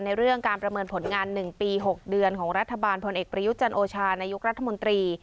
เรื่องการประเมินผลงาน๑ปี๖เดือนของรัฐบาลพลเอกประยุทธ์จันโอชานายกรัฐมนตรี